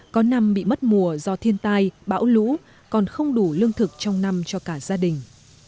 có năm bị mất mùa do thiên tai bão lũ còn không đủ lương thực trong năm cho cả gia đình